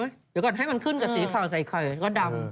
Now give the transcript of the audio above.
เดี๋ยวก่อนให้มันขึ้นกับสีขาวใส่ไข่แล้วก็ดำ